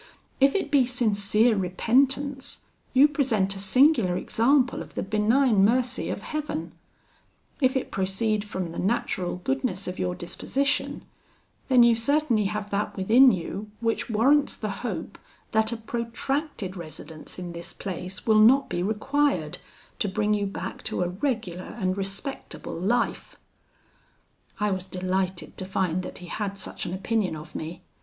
If it be sincere repentance, you present a singular example of the benign mercy of Heaven; if it proceed from the natural goodness of your disposition, then you certainly have that within you which warrants the hope that a protracted residence in this place will not be required to bring you back to a regular and respectable life.' "I was delighted to find that he had such an opinion of me.